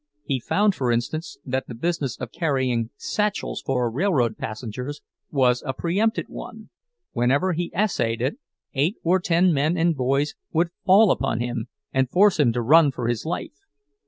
He found, for instance, that the business of carrying satchels for railroad passengers was a pre empted one—whenever he essayed it, eight or ten men and boys would fall upon him and force him to run for his life.